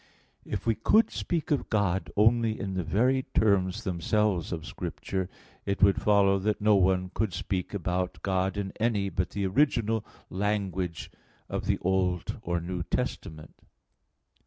If we could speak of God only in the very terms themselves of Scripture, it would follow that no one could speak about God in any but the original language of the Old or New Testament.